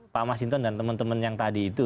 pak mas hinton dan temen temen yang tadi itu